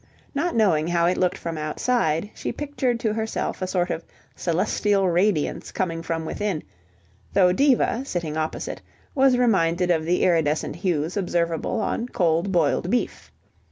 Not knowing how it looked from outside, she pictured to herself a sort of celestial radiance coming from within, though Diva, sitting opposite, was reminded of the iridescent hues observable on cold boiled beef.